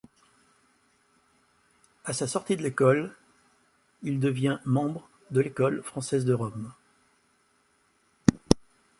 À sa sortie de l’École, il devient membre de l’École française de Rome.